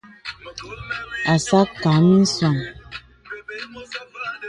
Àcā à akə̀ a miswàn.